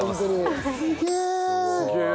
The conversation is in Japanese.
すげえ！